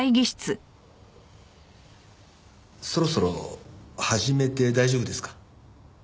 そろそろ始めて大丈夫ですか？